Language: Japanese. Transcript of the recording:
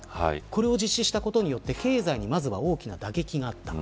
これを実施したことで経済にまずは大きな打撃があった。